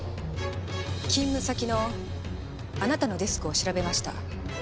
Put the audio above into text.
勤務先のあなたのデスクを調べました。